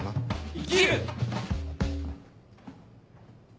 生きる！